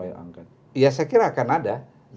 angket ya saya kira akan ada